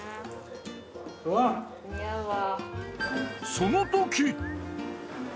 そのとき！